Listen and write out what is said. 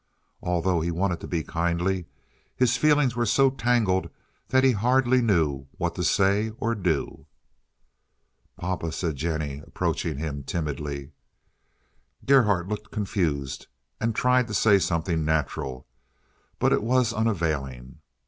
Although he wanted to be kindly, his feelings were so tangled that he hardly knew what to say or do. "Papa," said Jennie, approaching him timidly. Gerhardt looked confused and tried to say something natural, but it was unavailing.